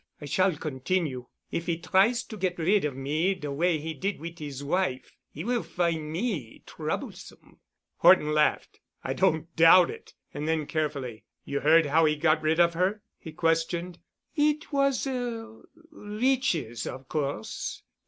I shall continue. If he tries to get rid of me de way he did wit' his wife, he will find me troublesome." Horton laughed. "I don't doubt it." And then, carefully, "You heard how he got rid of her?" he questioned. "It was 'er riches, of course.